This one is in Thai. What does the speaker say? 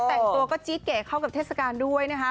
แต่งตัวก็จี๊เก๋เข้ากับเทศกาลด้วยนะคะ